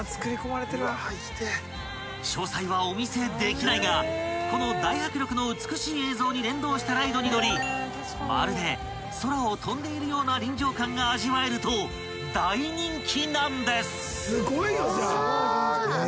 ［詳細はお見せできないがこの大迫力の美しい映像に連動したライドに乗りまるで空を飛んでいるような臨場感が味わえると大人気なんです］